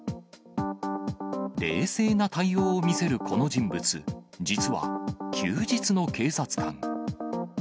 冷静な対応を見せるこの人物、実は、休日の警察官。